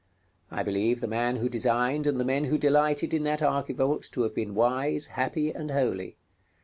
I believe the man who designed and the men who delighted in that archivolt to have been wise, happy, and holy.